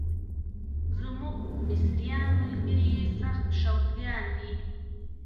زموږ مصریان ملګري یې سخت شوقیان دي.